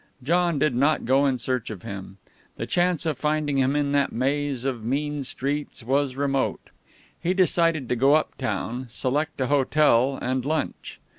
John did not go in search of him. The chance of finding him in that maze of mean streets was remote. He decided to go uptown, select a hotel, and lunch.